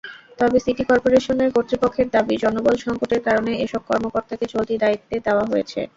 তবে city corporation কর্তৃপক্ষের দাবি, জনবল-সংকটের কারণে এসব কর্মকর্তাকে চলতি দায়িত্বে দেওয়া হয়েছে।